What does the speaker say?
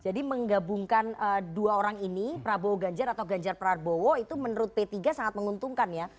jadi menggabungkan dua orang ini prabowo ganjar atau ganjar prabowo itu menurut p tiga sangat menguntungkan ya